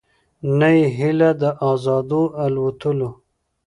نه یې هیله د آزادو الوتلو